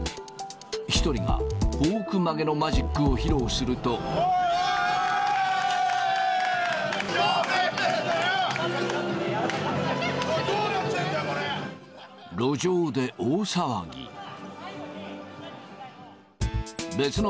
１人がフォーク曲げのマジックをやべー、これすげー。